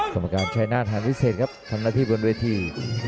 สมกรรมใช้หน้าทางพิเศษครับธนาคมที่บนเวที